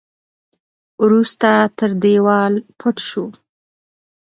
وروسته تر دېوال پټ شو.